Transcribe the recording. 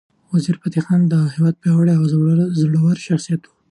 وزیرفتح خان د هیواد پیاوړی او زړور شخصیت دی.